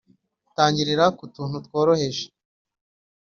tangirira ku tuntu tworoheje